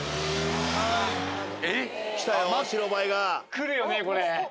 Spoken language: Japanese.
・来るよねこれ。